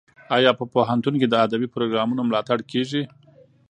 ایا په پوهنتون کې د ادبي پروګرامونو ملاتړ کیږي؟